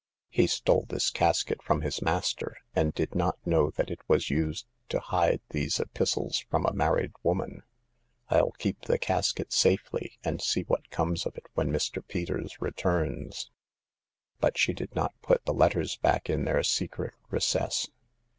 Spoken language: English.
He stole this casket from his master, and did not know that it was used to hide these epistles from a married woman. FU keep the casket safely, and see what comes of it when Mr. Peters returns." But she did not put the letters back in their secret recess.